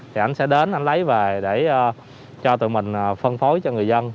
thì ảnh sẽ đến ảnh lấy về để cho tụi mình phân phối cho người dân